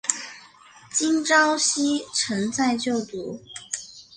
金昭希曾在就读。